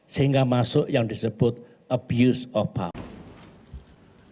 sehingga masuk yang disebut abuse of power